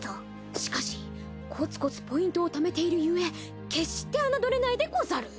しかしコツコツポイントを貯めているゆえ決して侮れないでござる！